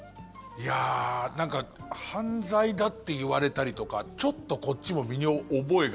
なんか犯罪だって言われたりとかちょっとこっちも身に覚えが。